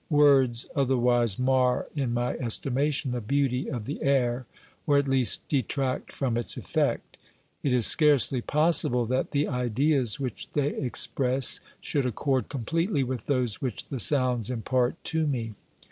Words otherwise mar in my estimation the beauty of the air, or at least detract from its effect. It is scarcely possible that the ideas which they express should accord completely with those which the sounds impart to me.